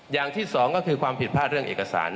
อย่างที่สองก็คือความผิดพลาดเรื่องเอกสาร